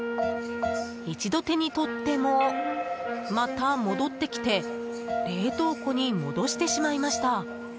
一度手に取ってもまた戻ってきて冷凍庫に戻してしまいました。